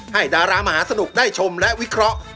ดารามหาสนุกได้ชมและวิเคราะห์